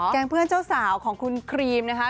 เพื่อนเจ้าสาวของคุณครีมนะคะ